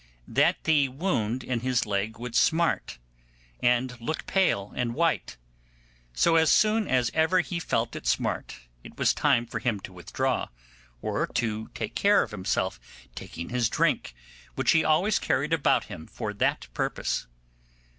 that his wound in his leg would smart, and look pale and white; so as soon as ever he felt it smart it was time for him to withdraw, or to take care of himself, taking his drink, which he always carried about him for that purpose.